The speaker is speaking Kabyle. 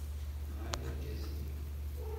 Nɣan argaz-nni.